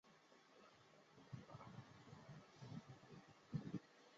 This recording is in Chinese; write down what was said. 毛脉孩儿参为石竹科孩儿参属的植物。